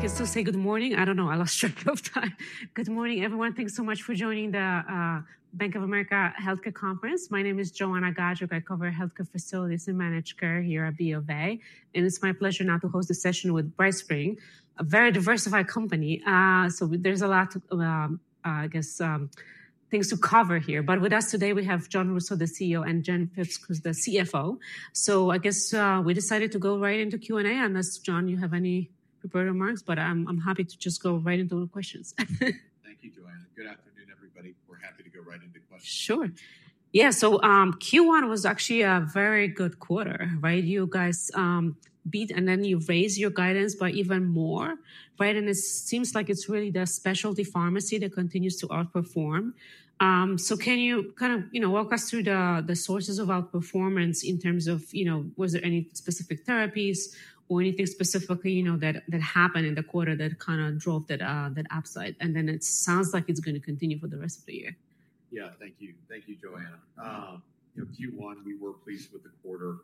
I guess I'll say good morning. I don't know, I lost track of time. Good morning, everyone. Thanks so much for joining the Bank of America healthcare conference. My name is Joanna Gajuk. I cover healthcare facilities and managed care here at BofA. It's my pleasure now to host a session with BrightSpring, a very diversified company. There's a lot, I guess, things to cover here. With us today, we have Jon Rousseau, the CEO, and Jen Phipps, who's the CFO. I guess we decided to go right into Q&A. Unless, Jon, you have any prepared remarks, but I'm happy to just go right into the questions. Thank you, Joanna. Good afternoon, everybody. We're happy to go right into questions. Sure. Yeah. Q1 was actually a very good quarter, right? You guys beat and then you raised your guidance by even more, right? It seems like it's really the specialty pharmacy that continues to outperform. Can you kind of walk us through the sources of outperformance in terms of, was there any specific therapies or anything specifically that happened in the quarter that kind of drove that upside? It sounds like it's going to continue for the rest of the year. Yeah, thank you. Thank you, Joanna. Q1, we were pleased with the quarter.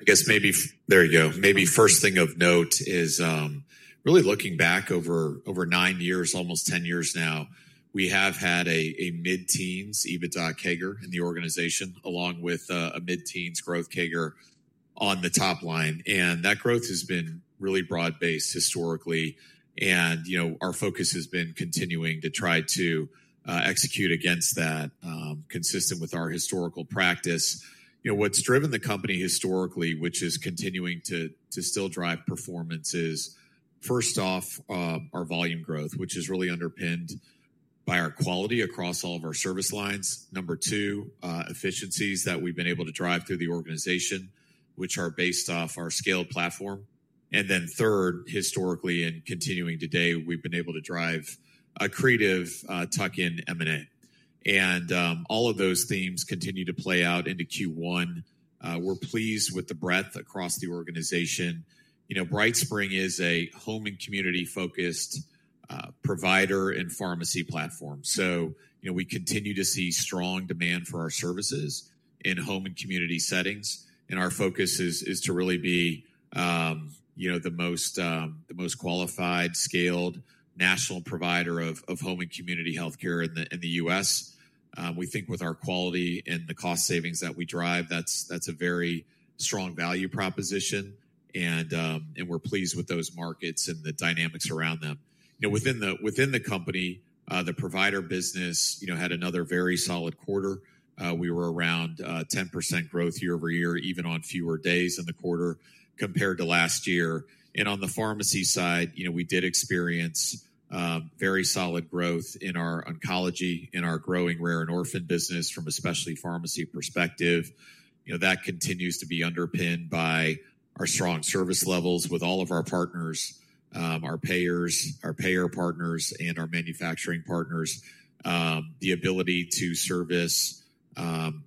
I guess maybe there you go. Maybe first thing of note is really looking back over nine years, almost 10 years now, we have had a mid-teens EBITDA CAGR in the organization, along with a mid-teens growth CAGR on the top line. That growth has been really broad-based historically. Our focus has been continuing to try to execute against that, consistent with our historical practice. What has driven the company historically, which is continuing to still drive performance, is, first off, our volume growth, which is really underpinned by our quality across all of our service lines. Number two, efficiencies that we have been able to drive through the organization, which are based off our scaled platform. Then third, historically and continuing today, we have been able to drive accretive tuck-in M&A. All of those themes continue to play out into Q1. We're pleased with the breadth across the organization. BrightSpring is a home and community-focused provider and pharmacy platform. We continue to see strong demand for our services in home and community settings. Our focus is to really be the most qualified, scaled national provider of home and community healthcare in the U.S. We think with our quality and the cost savings that we drive, that's a very strong value proposition. We're pleased with those markets and the dynamics around them. Within the company, the provider business had another very solid quarter. We were around 10% growth year-over-year, even on fewer days in the quarter compared to last year. On the pharmacy side, we did experience very solid growth in our oncology, in our growing rare and orphan business from a specialty pharmacy perspective. That continues to be underpinned by our strong service levels with all of our partners, our payer partners, and our manufacturing partners. The ability to service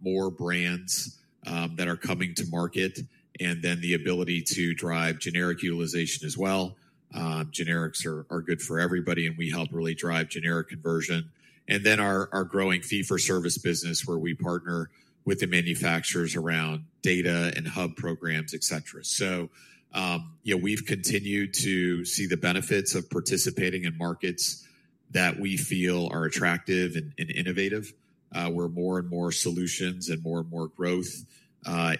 more brands that are coming to market, and then the ability to drive generic utilization as well. Generics are good for everybody, and we help really drive generic conversion. And then our growing fee-for-service business, where we partner with the manufacturers around data and hub programs, etc. We have continued to see the benefits of participating in markets that we feel are attractive and innovative, where more and more solutions and more and more growth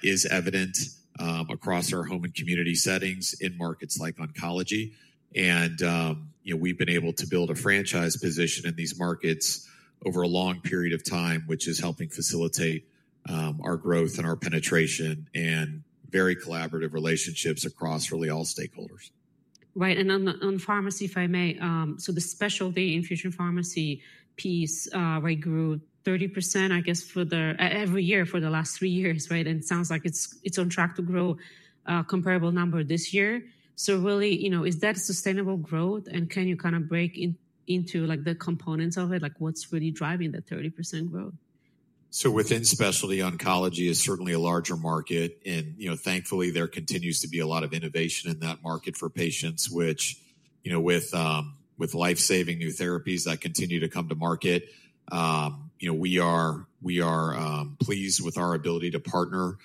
is evident across our home and community settings in markets like oncology. We have been able to build a franchise position in these markets over a long period of time, which is helping facilitate our growth and our penetration and very collaborative relationships across really all stakeholders. Right. On pharmacy, if I may, the specialty infusion pharmacy piece grew 30% every year for the last three years, right? It sounds like it is on track to grow a comparable number this year. Is that sustainable growth? Can you kind of break into the components of it? What is really driving the 30% growth? Within specialty oncology, it's certainly a larger market. Thankfully, there continues to be a lot of innovation in that market for patients, with life-saving new therapies that continue to come to market. We are pleased with our ability to partner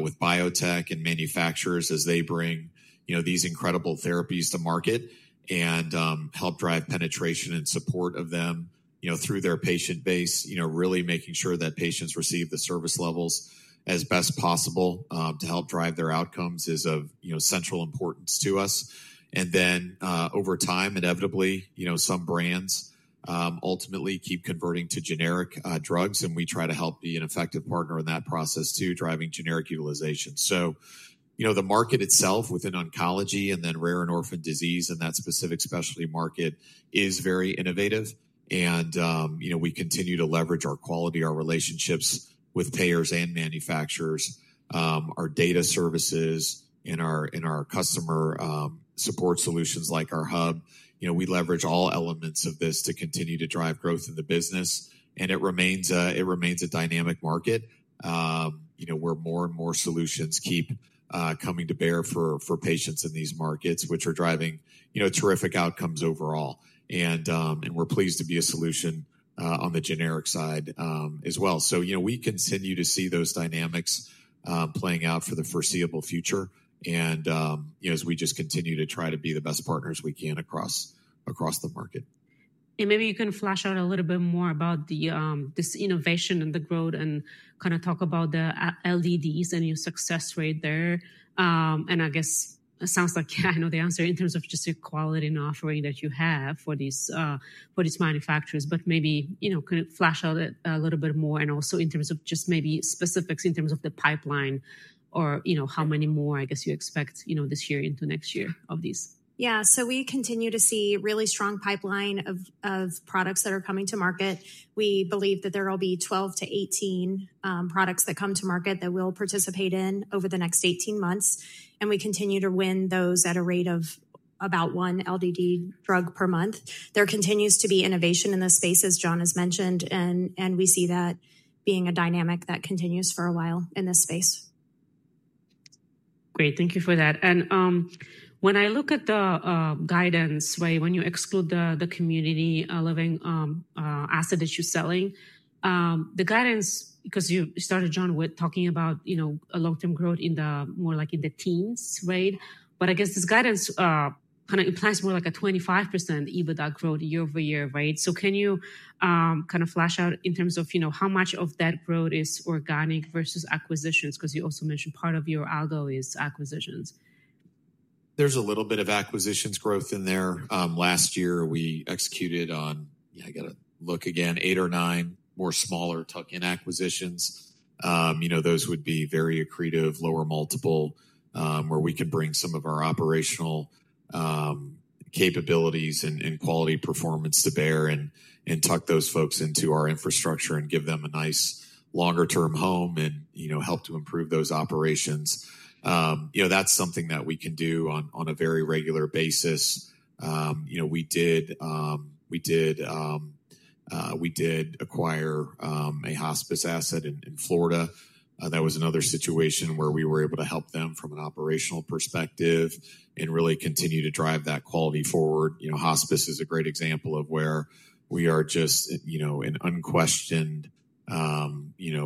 with biotech and manufacturers as they bring these incredible therapies to market and help drive penetration and support of them through their patient base. Really making sure that patients receive the service levels as best possible to help drive their outcomes is of central importance to us. Over time, inevitably, some brands ultimately keep converting to generic drugs. We try to help be an effective partner in that process too, driving generic utilization. The market itself within oncology and then rare and orphan disease in that specific specialty market is very innovative. We continue to leverage our quality, our relationships with payers and manufacturers, our data services, and our customer support solutions like our hub. We leverage all elements of this to continue to drive growth in the business. It remains a dynamic market where more and more solutions keep coming to bear for patients in these markets, which are driving terrific outcomes overall. We are pleased to be a solution on the generic side as well. We continue to see those dynamics playing out for the foreseeable future. We just continue to try to be the best partners we can across the market. Maybe you can flesh out a little bit more about this innovation and the growth and kind of talk about the LDDs and your success rate there. I guess it sounds like I know the answer in terms of just the quality and offering that you have for these manufacturers, but maybe kind of flesh out a little bit more and also in terms of just maybe specifics in terms of the pipeline or how many more, I guess, you expect this year into next year of these. Yeah. We continue to see a really strong pipeline of products that are coming to market. We believe that there will be 12-18 products that come to market that we'll participate in over the next 18 months. We continue to win those at a rate of about one LDD drug per month. There continues to be innovation in this space, as Jon has mentioned, and we see that being a dynamic that continues for a while in this space. Great. Thank you for that. When I look at the guidance, when you exclude the community living asset that you're selling, the guidance, because you started, Jon, with talking about long-term growth in the more like in the teens, right? I guess this guidance kind of implies more like a 25% EBITDA growth year-over-year, right? Can you kind of flash out in terms of how much of that growth is organic versus acquisitions? You also mentioned part of your algo is acquisitions. There's a little bit of acquisitions growth in there. Last year, we executed on, yeah, I got to look again, eight or nine more smaller tuck-in acquisitions. Those would be very accretive, lower multiple, where we could bring some of our operational capabilities and quality performance to bear and tuck those folks into our infrastructure and give them a nice longer-term home and help to improve those operations. That's something that we can do on a very regular basis. We did acquire a hospice asset in Florida. That was another situation where we were able to help them from an operational perspective and really continue to drive that quality forward. Hospice is a great example of where we are just an unquestioned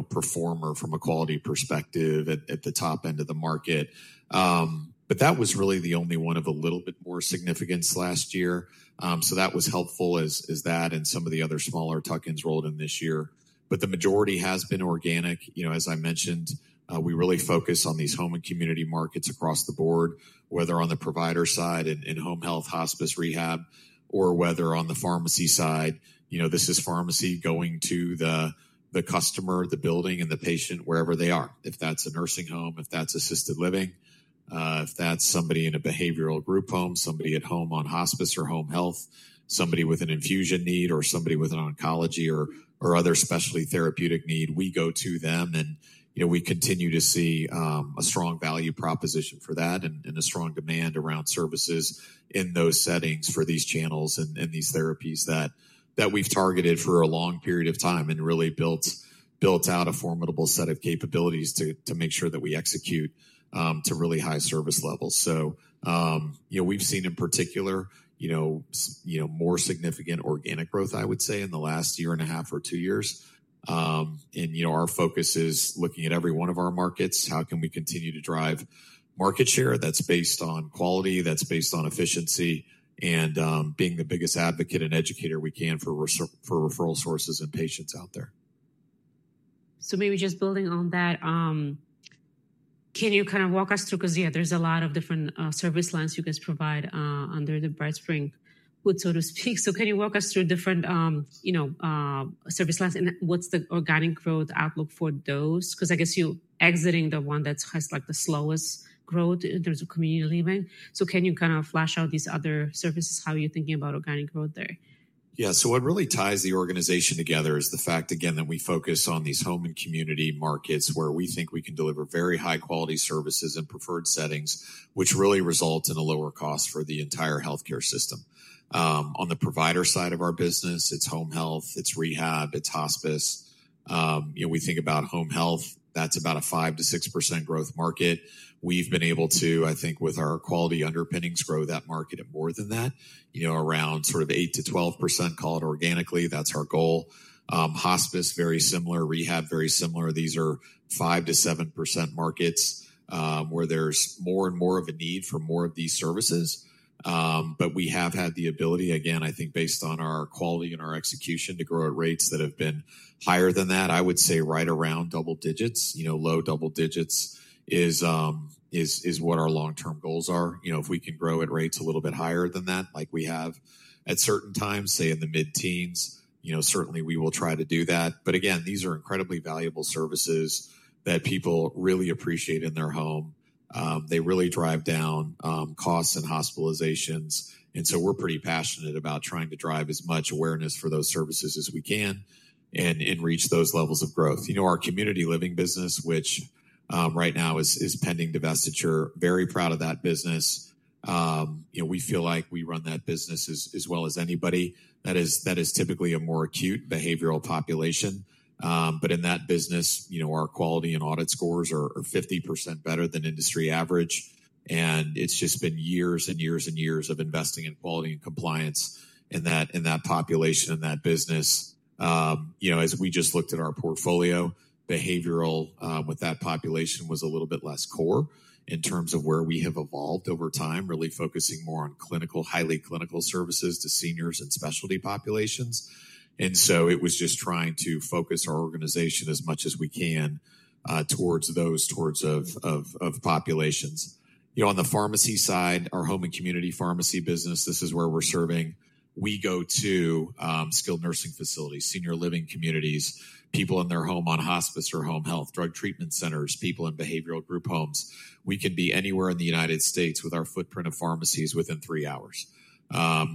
performer from a quality perspective at the top end of the market. That was really the only one of a little bit more significance last year. That was helpful as that and some of the other smaller tuck-ins rolled in this year. The majority has been organic. As I mentioned, we really focus on these home and community markets across the board, whether on the provider side in home health, hospice, rehab, or whether on the pharmacy side. This is pharmacy going to the customer, the building, and the patient wherever they are. If that's a nursing home, if that's assisted living, if that's somebody in a behavioral group home, somebody at home on hospice or home health, somebody with an infusion need or somebody with an oncology or other specialty therapeutic need, we go to them. We continue to see a strong value proposition for that and a strong demand around services in those settings for these channels and these therapies that we've targeted for a long period of time and really built out a formidable set of capabilities to make sure that we execute to really high service levels. We have seen in particular more significant organic growth, I would say, in the last year and a half or two years. Our focus is looking at every one of our markets. How can we continue to drive market share that's based on quality, that's based on efficiency, and being the biggest advocate and educator we can for referral sources and patients out there? Maybe just building on that, can you kind of walk us through? Because yeah, there are a lot of different service lines you guys provide under the BrightSpring hood, so to speak. Can you walk us through different service lines and what's the organic growth outlook for those? Because I guess you're exiting the one that has the slowest growth in terms of community leaving. Can you kind of flesh out these other services? How are you thinking about organic growth there? Yeah. What really ties the organization together is the fact, again, that we focus on these home and community markets where we think we can deliver very high-quality services in preferred settings, which really results in a lower cost for the entire healthcare system. On the provider side of our business, it's home health, it's rehab, it's hospice. We think about home health. That's about a 5-6% growth market. We've been able to, I think, with our quality underpinnings, grow that market and more than that around sort of 8-12%, call it organically. That's our goal. Hospice, very similar. Rehab, very similar. These are 5-7% markets where there's more and more of a need for more of these services. We have had the ability, again, I think based on our quality and our execution, to grow at rates that have been higher than that. I would say right around double digits, low double digits is what our long-term goals are. If we can grow at rates a little bit higher than that, like we have at certain times, say in the mid-teens, certainly we will try to do that. These are incredibly valuable services that people really appreciate in their home. They really drive down costs and hospitalizations. We are pretty passionate about trying to drive as much awareness for those services as we can and reach those levels of growth. Our community living business, which right now is pending divestiture, very proud of that business. We feel like we run that business as well as anybody that is typically a more acute behavioral population. In that business, our quality and audit scores are 50% better than industry average. It's just been years and years and years of investing in quality and compliance in that population and that business. As we just looked at our portfolio, behavioral with that population was a little bit less core in terms of where we have evolved over time, really focusing more on highly clinical services to seniors and specialty populations. It was just trying to focus our organization as much as we can towards those populations on the pharmacy side, our home and community pharmacy business. This is where we're serving. We go to skilled nursing facilities, senior living communities, people in their home on hospice or home health, drug treatment centers, people in behavioral group homes. We can be anywhere in the United States with our footprint of pharmacies within three hours.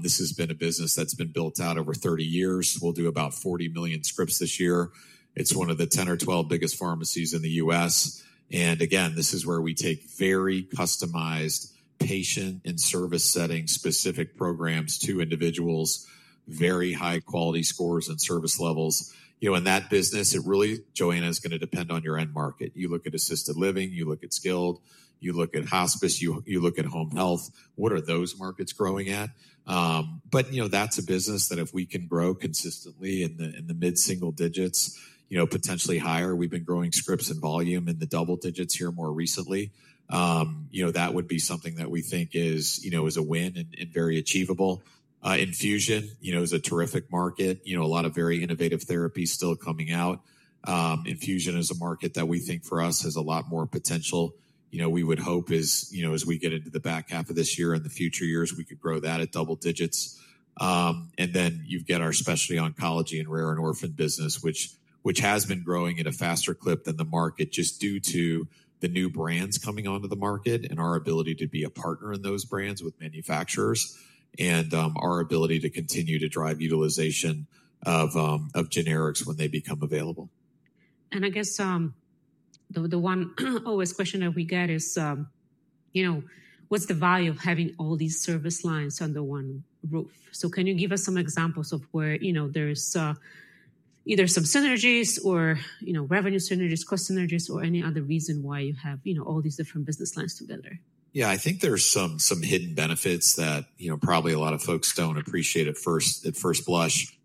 This has been a business that's been built out over 30 years. We'll do about 40 million scripts this year. It's one of the 10 or 12 biggest pharmacies in the U.S. This is where we take very customized patient and service setting specific programs to individuals, very high quality scores and service levels. In that business, it really, Joanna, is going to depend on your end market. You look at assisted living, you look at skilled, you look at hospice, you look at home health. What are those markets growing at? That's a business that if we can grow consistently in the mid-single-digits, potentially higher, we've been growing scripts and volume in the double digits here more recently. That would be something that we think is a win and very achievable. Infusion is a terrific market. A lot of very innovative therapies still coming out. Infusion is a market that we think for us has a lot more potential. We would hope as we get into the back half of this year and the future years, we could grow that at double digits. You have our specialty oncology and rare and orphan business, which has been growing at a faster clip than the market just due to the new brands coming onto the market and our ability to be a partner in those brands with manufacturers and our ability to continue to drive utilization of generics when they become available. I guess the one always question that we get is, what's the value of having all these service lines under one roof? Can you give us some examples of where there's either some synergies or revenue synergies, cost synergies, or any other reason why you have all these different business lines together? Yeah, I think there's some hidden benefits that probably a lot of folks don't appreciate at first blush.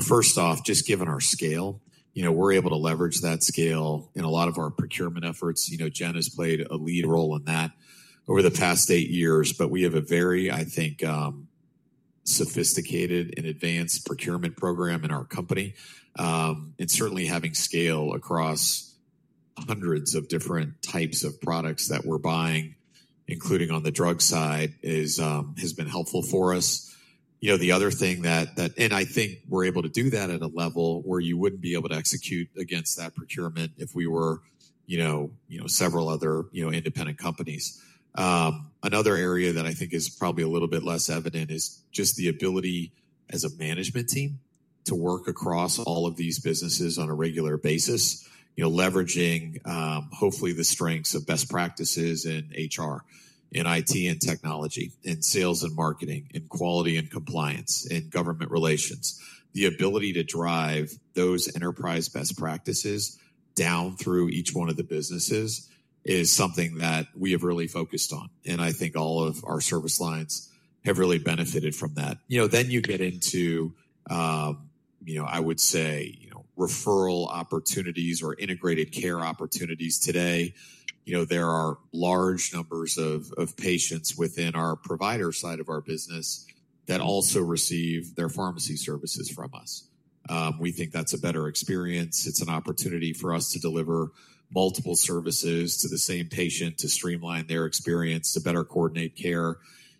First off, just given our scale, we're able to leverage that scale in a lot of our procurement efforts. Jen has played a lead role in that over the past eight years, but we have a very, I think, sophisticated and advanced procurement program in our company. Certainly having scale across hundreds of different types of products that we're buying, including on the drug side, has been helpful for us. The other thing that, I think we're able to do that at a level where you wouldn't be able to execute against that procurement if we were several other independent companies. Another area that I think is probably a little bit less evident is just the ability as a management team to work across all of these businesses on a regular basis, leveraging hopefully the strengths of best practices in HR, in IT and technology, in sales and marketing, in quality and compliance, in government relations. The ability to drive those enterprise best practices down through each one of the businesses is something that we have really focused on. I think all of our service lines have really benefited from that. You get into, I would say, referral opportunities or integrated care opportunities today. There are large numbers of patients within our provider side of our business that also receive their pharmacy services from us. We think that's a better experience. It's an opportunity for us to deliver multiple services to the same patient to streamline their experience, to better coordinate care.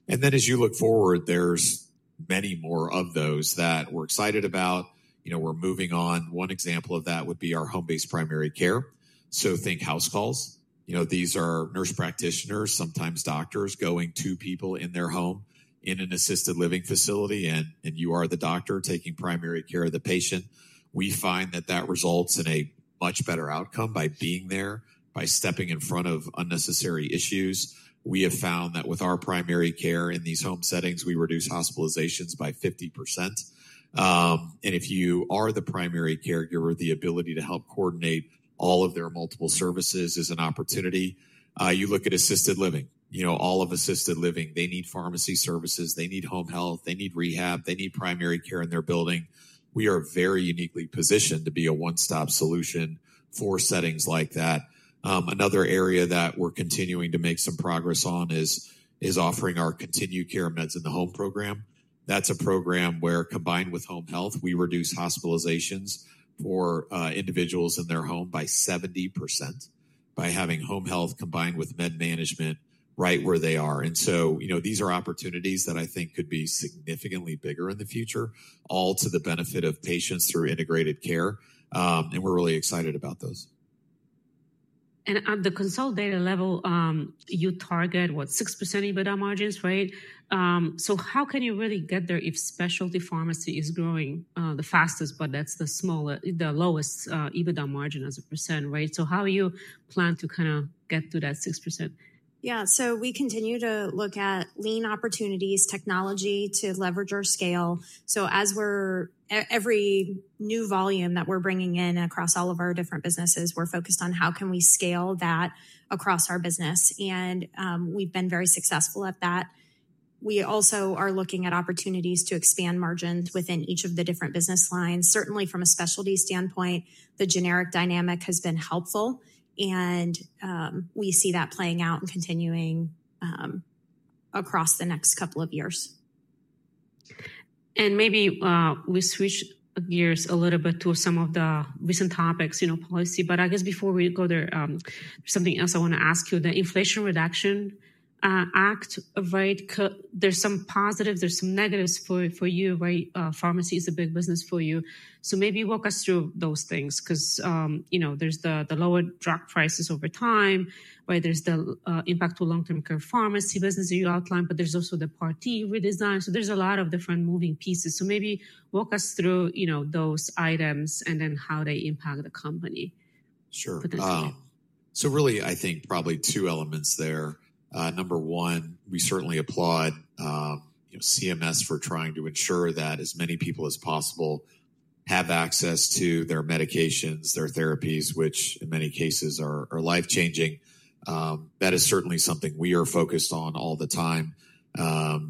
As you look forward, there's many more of those that we're excited about. We're moving on. One example of that would be our home-based primary care. Think house calls. These are nurse practitioners, sometimes doctors going to people in their home in an assisted living facility, and you are the doctor taking primary care of the patient. We find that that results in a much better outcome by being there, by stepping in front of unnecessary issues. We have found that with our primary care in these home settings, we reduce hospitalizations by 50%. If you are the primary caregiver, the ability to help coordinate all of their multiple services is an opportunity. You look at assisted living, all of assisted living, they need pharmacy services, they need home health, they need rehab, they need primary care in their building. We are very uniquely positioned to be a one-stop solution for settings like that. Another area that we're continuing to make some progress on is offering our continued care meds in the home program. That's a program where combined with home health, we reduce hospitalizations for individuals in their home by 70% by having home health combined with med management right where they are. These are opportunities that I think could be significantly bigger in the future, all to the benefit of patients through integrated care. We're really excited about those. At the consult data level, you target what, 6% EBITDA margins, right? How can you really get there if specialty pharmacy is growing the fastest, but that's the lowest EBITDA margin as a percent, right? How do you plan to kind of get to that 6%? Yeah. We continue to look at lean opportunities, technology to leverage our scale. As every new volume that we're bringing in across all of our different businesses, we're focused on how can we scale that across our business. We've been very successful at that. We also are looking at opportunities to expand margins within each of the different business lines. Certainly from a specialty standpoint, the generic dynamic has been helpful, and we see that playing out and continuing across the next couple of years. Maybe we switch gears a little bit to some of the recent topics, policy, but I guess before we go there, something else I want to ask you, the Inflation Reduction Act, right? There are some positives, there are some negatives for you, right? Pharmacy is a big business for you. Maybe walk us through those things because there are the lower drug prices over time, right? There is the impact to long-term care pharmacy business that you outlined, but there is also the Part D redesign. There are a lot of different moving pieces. Maybe walk us through those items and then how they impact the company. Sure. So really, I think probably two elements there. Number one, we certainly applaud CMS for trying to ensure that as many people as possible have access to their medications, their therapies, which in many cases are life-changing. That is certainly something we are focused on all the time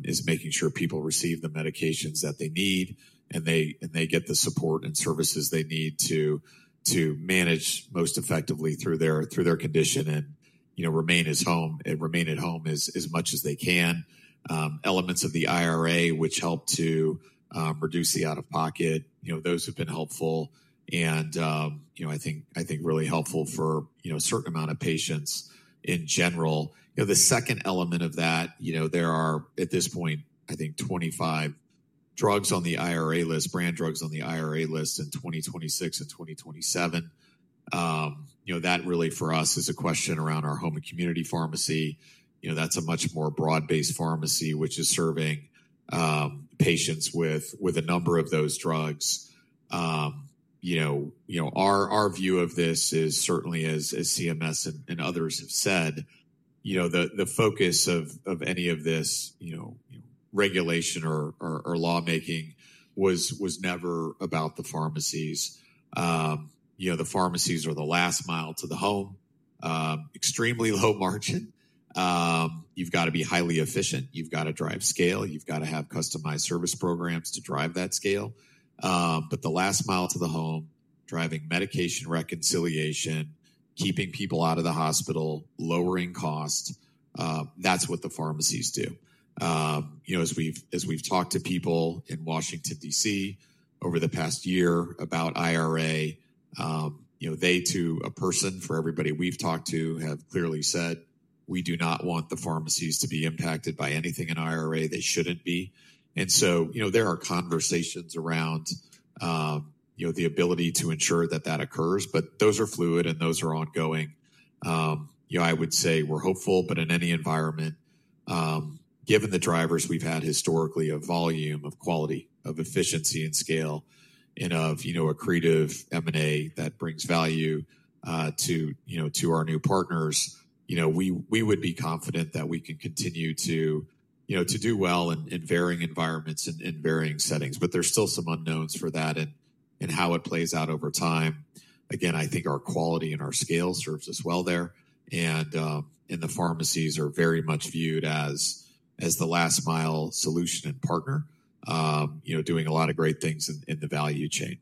is making sure people receive the medications that they need and they get the support and services they need to manage most effectively through their condition and remain at home as much as they can. Elements of the IRA, which help to reduce the out-of-pocket, those have been helpful. I think really helpful for a certain amount of patients in general. The second element of that, there are at this point, I think 25 drugs on the IRA list, brand drugs on the IRA list in 2026 and 2027. That really for us is a question around our home and community pharmacy. That is a much more broad-based pharmacy, which is serving patients with a number of those drugs. Our view of this is certainly as CMS and others have said, the focus of any of this regulation or lawmaking was never about the pharmacies. The pharmacies are the last mile to the home, extremely low margin. You have got to be highly efficient. You have got to drive scale. You have got to have customized service programs to drive that scale. The last mile to the home, driving medication reconciliation, keeping people out of the hospital, lowering costs, that is what the pharmacies do. As we've talked to people in Washington, DC, over the past year about IRA, they to a person for everybody we've talked to have clearly said, "We do not want the pharmacies to be impacted by anything in IRA. They shouldn't be." There are conversations around the ability to ensure that that occurs, but those are fluid and those are ongoing. I would say we're hopeful, but in any environment, given the drivers we've had historically of volume, of quality, of efficiency and scale, and of accretive M&A that brings value to our new partners, we would be confident that we can continue to do well in varying environments and in varying settings. There's still some unknowns for that and how it plays out over time. Again, I think our quality and our scale serves us well there. Pharmacies are very much viewed as the last mile solution and partner, doing a lot of great things in the value chain.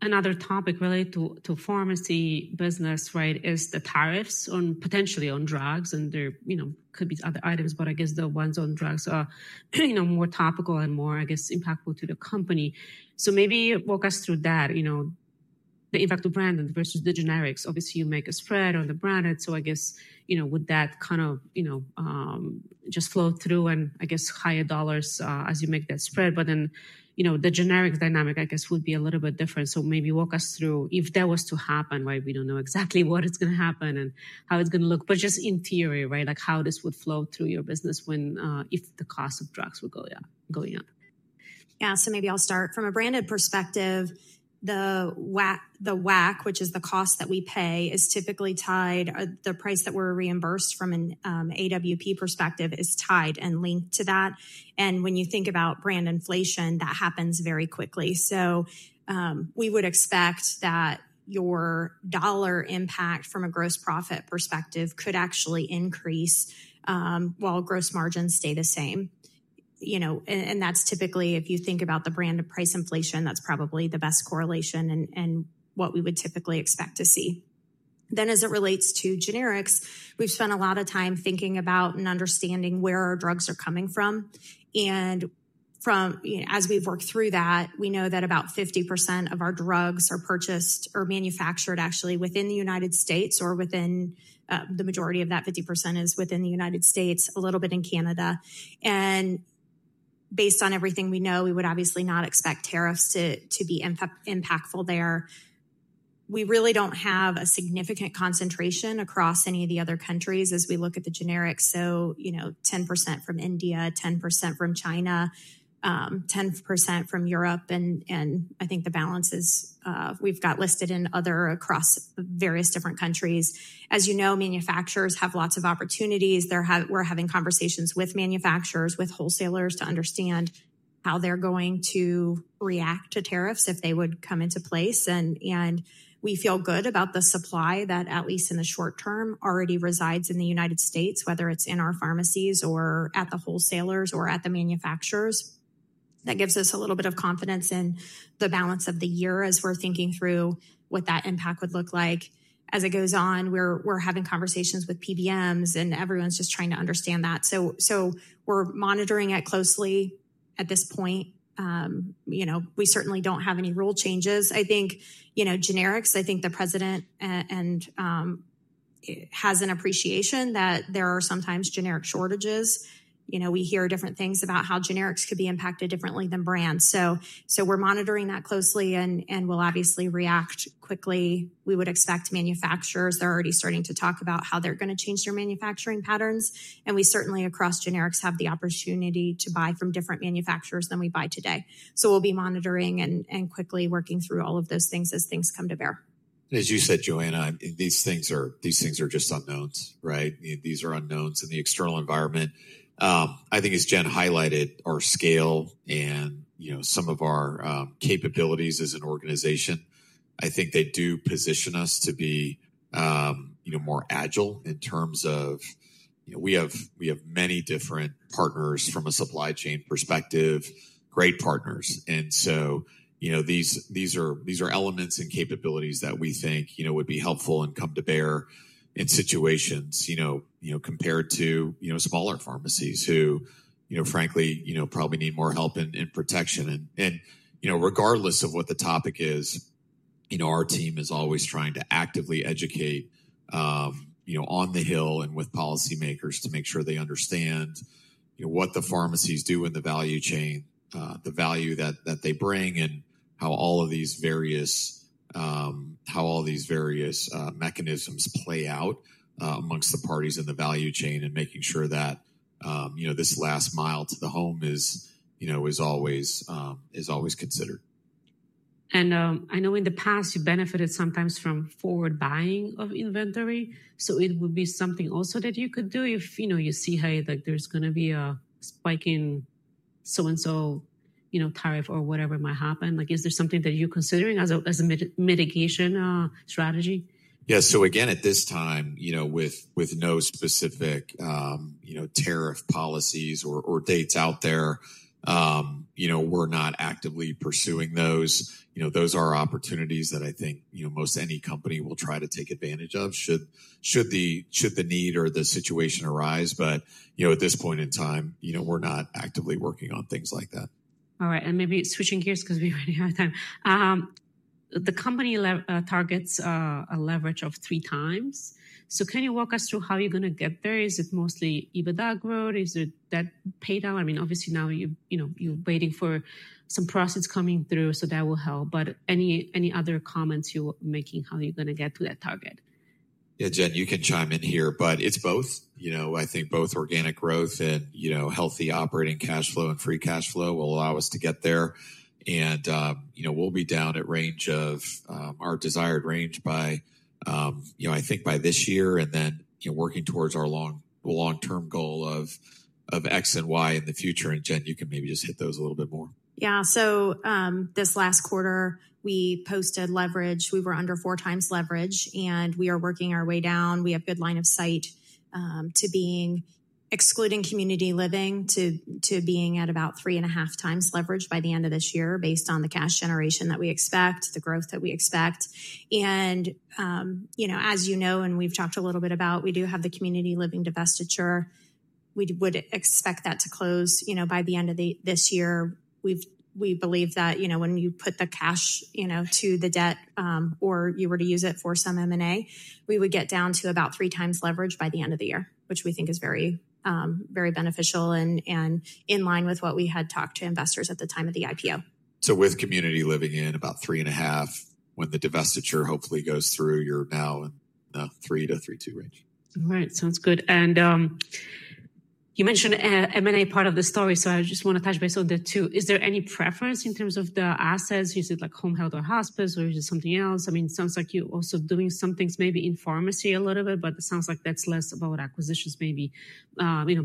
Another topic related to pharmacy business, right, is the tariffs on potentially on drugs. There could be other items, but I guess the ones on drugs are more topical and more, I guess, impactful to the company. Maybe walk us through that, the impact of brand versus the generics. Obviously, you make a spread on the brand. I guess would that kind of just flow through and, I guess, higher dollars as you make that spread? The generic dynamic, I guess, would be a little bit different. Maybe walk us through if that was to happen, right? We do not know exactly when it is going to happen and how it is going to look, but just in theory, right, like how this would flow through your business if the cost of drugs were going up. Yeah. Maybe I'll start from a branded perspective. The WAC, which is the cost that we pay, is typically tied. The price that we're reimbursed from an AWP perspective is tied and linked to that. When you think about brand inflation, that happens very quickly. We would expect that your dollar impact from a gross profit perspective could actually increase while gross margins stay the same. That's typically, if you think about the brand and price inflation, probably the best correlation and what we would typically expect to see. As it relates to generics, we've spent a lot of time thinking about and understanding where our drugs are coming from. As we've worked through that, we know that about 50% of our drugs are purchased or manufactured actually within the United States, or the majority of that 50% is within the United States, a little bit in Canada. Based on everything we know, we would obviously not expect tariffs to be impactful there. We really do not have a significant concentration across any of the other countries as we look at the generics. 10% from India, 10% from China, 10% from Europe. I think the balance is we've got listed in other across various different countries. As you know, manufacturers have lots of opportunities. We're having conversations with manufacturers, with wholesalers to understand how they're going to react to tariffs if they would come into place. We feel good about the supply that at least in the short-term already resides in the United States, whether it is in our pharmacies or at the wholesalers or at the manufacturers. That gives us a little bit of confidence in the balance of the year as we are thinking through what that impact would look like. As it goes on, we are having conversations with PBMs, and everyone is just trying to understand that. We are monitoring it closely at this point. We certainly do not have any rule changes. I think generics, I think the president has an appreciation that there are sometimes generic shortages. We hear different things about how generics could be impacted differently than brands. We are monitoring that closely, and we will obviously react quickly. We would expect manufacturers, they are already starting to talk about how they are going to change their manufacturing patterns. We certainly, across generics, have the opportunity to buy from different manufacturers than we buy today. We will be monitoring and quickly working through all of those things as things come to bear. As you said, Joanna, these things are just unknowns, right? These are unknowns in the external environment. I think, as Jen highlighted, our scale and some of our capabilities as an organization, I think they do position us to be more agile in terms of we have many different partners from a supply chain perspective, great partners. These are elements and capabilities that we think would be helpful and come to bear in situations compared to smaller pharmacies who, frankly, probably need more help in protection. Regardless of what the topic is, our team is always trying to actively educate on the Hill and with policymakers to make sure they understand what the pharmacies do in the value chain, the value that they bring, and how all of these various mechanisms play out amongst the parties in the value chain and making sure that this last mile to the home is always considered. I know in the past, you benefited sometimes from forward buying of inventory. It would be something also that you could do if you see how there's going to be a spike in so-and-so tariff or whatever might happen. Is there something that you're considering as a mitigation strategy? Yeah. So again, at this time, with no specific tariff policies or dates out there, we're not actively pursuing those. Those are opportunities that I think most any company will try to take advantage of should the need or the situation arise. At this point in time, we're not actively working on things like that. All right. Maybe switching gears because we already have time. The company targets a leverage of three times. Can you walk us through how you're going to get there? Is it mostly EBITDA growth? Is it that paydown? I mean, obviously now you're waiting for some profits coming through, so that will help. Any other comments you're making how you're going to get to that target? Yeah, Jen, you can chime in here, but it's both. I think both organic growth and healthy operating cash flow and free cash flow will allow us to get there. We'll be down at range of our desired range by, I think, by this year and then working towards our long-term goal of X and Y in the future. Jen, you can maybe just hit those a little bit more. Yeah. This last quarter, we posted leverage. We were under four times leverage, and we are working our way down. We have good line of sight to being, excluding community living, to being at about 3.5 times leverage by the end of this year based on the cash generation that we expect, the growth that we expect. As you know, and we've talked a little bit about, we do have the community living divestiture. We would expect that to close by the end of this year. We believe that when you put the cash to the debt or you were to use it for some M&A, we would get down to about three times leverage by the end of the year, which we think is very beneficial and in line with what we had talked to investors at the time of the IPO. With community living in about three and a half, when the divestiture hopefully goes through, you're now in the three to three-two range. All right. Sounds good. You mentioned M&A part of the story, so I just want to touch base on the two. Is there any preference in terms of the assets? Is it like home health or hospice or is it something else? I mean, it sounds like you're also doing some things maybe in pharmacy a little bit, but it sounds like that's less about acquisitions, maybe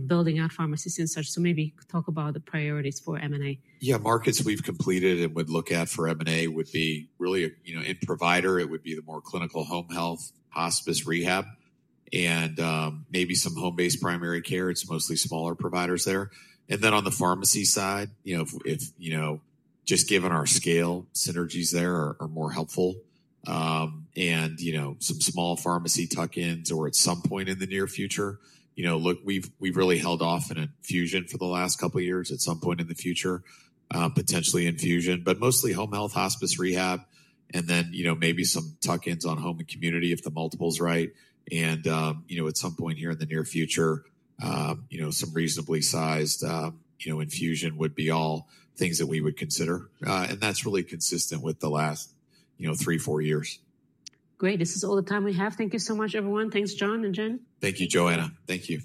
building out pharmacies and such. Maybe talk about the priorities for M&A. Yeah. Markets we've completed and would look at for M&A would be really in provider. It would be the more clinical home health, hospice, rehab, and maybe some home-based primary care. It's mostly smaller providers there. Then on the pharmacy side, if just given our scale, synergies there are more helpful. Some small pharmacy tuck-ins or at some point in the near future. Look, we've really held off on infusion for the last couple of years, at some point in the future, potentially infusion, but mostly home health, hospice, rehab, and then maybe some tuck-ins on home and community if the multiple's right. At some point here in the near future, some reasonably sized infusion would be all things that we would consider. That's really consistent with the last three, four years. Great. This is all the time we have. Thank you so much, everyone. Thanks, Jon and Jen. Thank you, Joanna. Thank you.